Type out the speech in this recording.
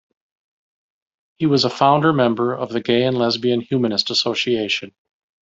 He was a founder member of the Gay and Lesbian Humanist Association.